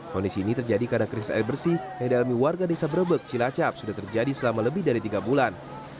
kondisi ini terjadi karena krisis air bersih yang dialami warga desa brebek cilacap sudah terjadi selama lebih dari tiga bulan